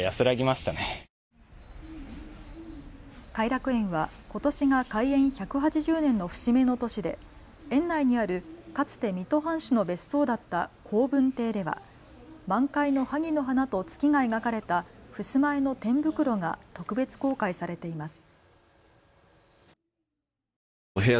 偕楽園はことしが開園１８０年の節目の年で、園内にあるかつて水戸藩主の別荘だった好文亭では満開のはぎの花と月が描かれたふすま絵の天袋が特別公開されています。